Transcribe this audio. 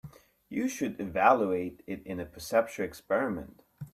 You should evaluate it in a perceptual experiment.